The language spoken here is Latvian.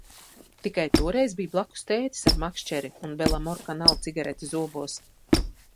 Tikai toreiz bija blakus tētis ar makšķeri un Belamorkanal cigareti zobos.